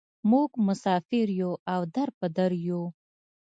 موږ مسافر یوو او در په در یوو.